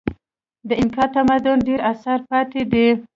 د اینکا تمدن ډېر اثار پاتې دي.